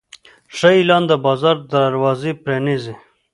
ښه اعلان د بازار دروازې پرانیزي.